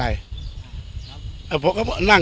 มันก็จบไปก็ไม่มีอะไร